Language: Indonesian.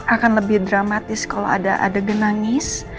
akan lebih dramatis kalau ada adegan nangis